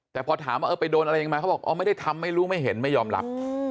แต่พอถามว่าเออไปโดนอะไรยังไงเขาบอกไม่ได้ทำไม่รู้ไม่เห็นไม่ยอมรับ